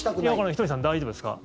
ひとりさんは大丈夫ですか？